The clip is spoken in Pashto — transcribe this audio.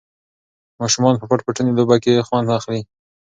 ماشومان په پټ پټوني لوبه کې خوند اخلي.